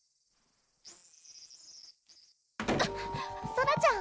ソラちゃん